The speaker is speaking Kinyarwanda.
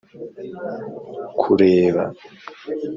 Kureba